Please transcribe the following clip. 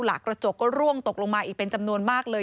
กระจกก็ร่วงตกลงมาอีกเป็นจำนวนมากเลย